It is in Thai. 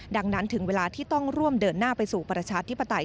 ดังนั้นถึงเวลาที่ต้องร่วมเดินหน้าไปสู่ประชาธิปไตย